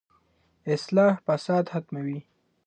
اصلاح فساد ختموي.